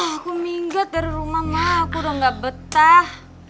aku minggat dari rumah mah aku udah gak betah